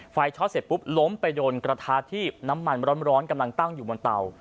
ช็อตเสร็จปุ๊บล้มไปโดนกระทะที่น้ำมันร้อนกำลังตั้งอยู่บนเตา